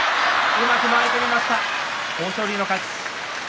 うまく回り込みました豊昇龍の勝ち。